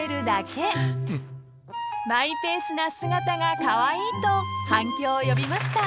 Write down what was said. ［マイペースな姿がカワイイと反響を呼びました］